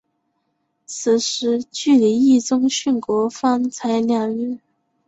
此时距离毅宗殉国方才两日。